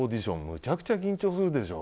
めちゃくちゃ緊張するでしょ。